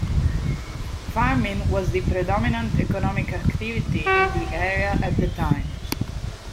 Farming was the predominant economic activity in the area at the time.